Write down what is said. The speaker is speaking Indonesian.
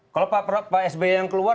kalau pak sby yang keluar